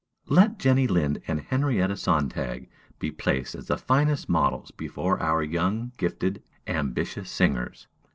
Let Jenny Lind and Henrietta Sontag be placed as the finest models before our young, gifted, ambitious singers.